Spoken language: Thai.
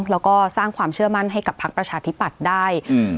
แล้วก็สร้างความเชื่อมั่นให้กับพักประชาธิปัตย์ได้อืม